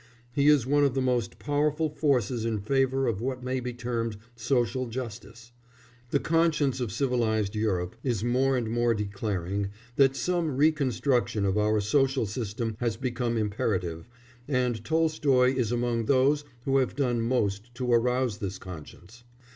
He is one of the most powerful forces in favour of what may be termed "social justice." The conscience of civilised Europe is more and more declaring that some reconstruction of our social system has become imperative, and Tolstoy is among those who have done most to arouse this conscience.